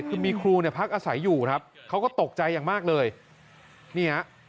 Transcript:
คือมีครูพักอสัยอยู่ครับเค้าก็ตกใจอย่างมากเลย